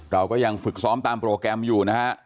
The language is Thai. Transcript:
เราก็ยังฝึกซ้อมตามโปรแกรมอยู่นะฮะ